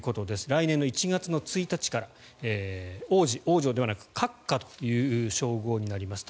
来年の１月１日から王子、王女ではなく閣下という称号になります。